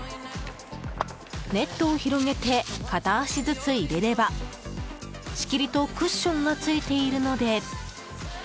ネットを広げて片足ずつ入れれば仕切りとクッションが付いているので。